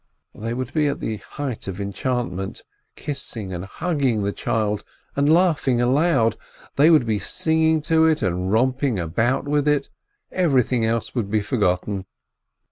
They would be at the height of enchantment, kissing and hugging the child and laughing aloud, they would be singing to it and romping with it, everything else would be forgotten.